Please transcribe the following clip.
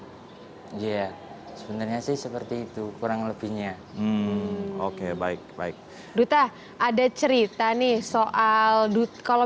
oh iya sebenarnya sih seperti itu kurang lebihnya oke baik baik duta ada cerita nih soal duta kalau